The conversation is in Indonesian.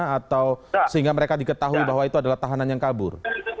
atau sehingga mereka diketahui bahwa itu adalah tahanan yang kabur